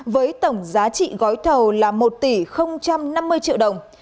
với tổng giá trị gói thầu là một tỷ năm mươi triệu đồng